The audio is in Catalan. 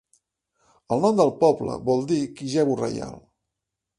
El nom del poble vol dir "Kijewo reial".